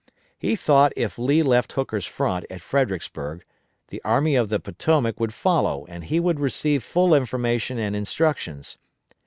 He thought if Lee left Hooker's front at Fredericksburg, the Army of the Potomac would follow and he would receive full information and instructions.